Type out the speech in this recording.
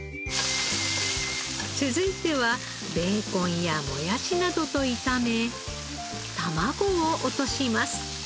続いてはベーコンやもやしなどと炒め卵を落とします。